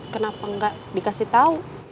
kenapa gak dikasih tau